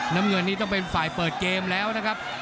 น้ำเงินนี้ต้องเป็นฝ่ายเปิดเกมแล้วนะครับ